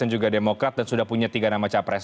dan juga demokrat dan sudah punya tiga nama capres